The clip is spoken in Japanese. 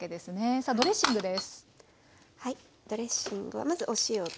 さあドレッシングです。